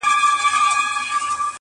زه کرمه سره ګلاب ازغي هم ور سره شنه سي.